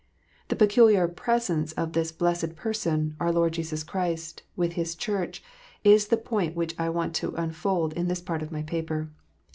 The peculiar " presence " of this blessed Person, our Lord Jesus Christ, with His Church, is the point which I want to unfold in this part of my paper.